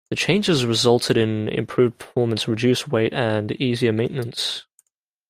The changes resulted in improved performance, reduced weight, and easier maintenance.